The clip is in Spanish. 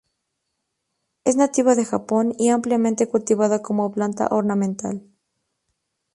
Es nativa de Japón y ampliamente cultivada como planta ornamental.